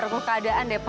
aku taruh indah